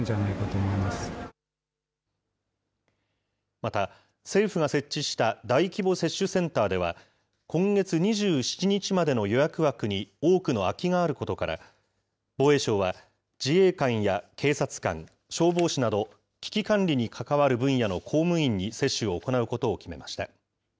また、政府が設置した大規模接種センターでは、今月２７日までの予約枠に多くの空きがあることから、防衛省は自衛官や警察官、消防士など、危機管理に関わる分野の公務員に接種を行うことを決めました。